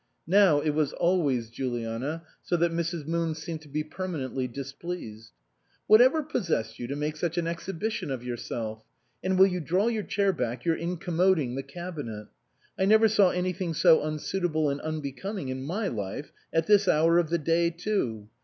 Now it was always Juliana, so that Mrs. Moon seemed to be permanently displeased) "whatever possessed you to make such an exhibition of yourself? (And will you draw your chair back you're incommoding the cabinet.) I never saw anything so unsuitable and unbecoming in my life at this hour of the day too.